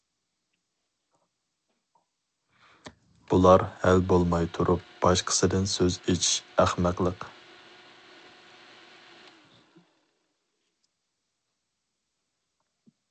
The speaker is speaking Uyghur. بۇلار ھەل بولماي تۇرۇپ باشقىسىدىن سۆز ئېچىش ئەخمەقلىق.